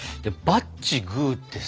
バッチグーってさ。